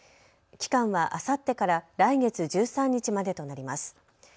期間はあさってから来月１３日までとなります。